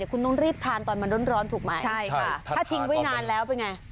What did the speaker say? คุณต้องรีบทานตอนมันร้อนถูกไหมใช่ค่ะถ้าทิ้งไว้นานแล้วเป็นไง